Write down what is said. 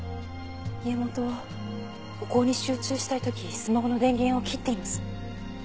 家元はお香に集中したい時スマホの電源を切っています。